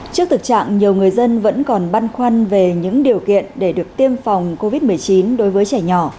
trước thực trạng nhiều người dân vẫn còn băn khoăn về những điều kiện để được tiêm phòng covid một mươi chín đối với trẻ nhỏ